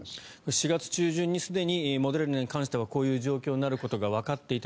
４月中旬にすでにモデルナに関してはこういう状況になることがわかっていた。